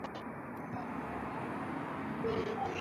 Waziri Mkuu wa muda Abdulhamid Dbeibah